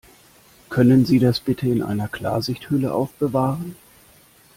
Können Sie das bitte in einer Klarsichthülle aufbewahren?